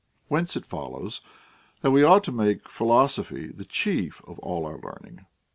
\Vhence it follows, that we ought to make philosophy the chief of all our learning.